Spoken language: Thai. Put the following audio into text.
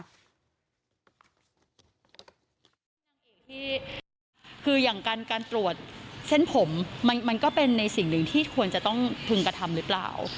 สิ่งที่คืออย่างการตรวจเส้นผมมันก็เป็นในสิ่งหนึ่งที่ควรจะต้องพึงกระทำหรือเปล่า